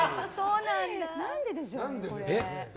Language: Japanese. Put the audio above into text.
何ででしょうね。